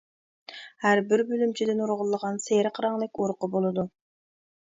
ھەربىر بۆلۈمچىدە نۇرغۇنلىغان سېرىق رەڭلىك ئۇرۇقى بولىدۇ.